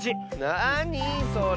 なにそれ？